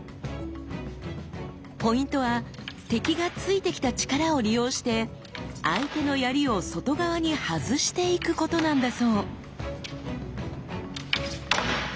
ポイントは敵が突いてきた力を利用して相手の槍を外側に外していくことなんだそう。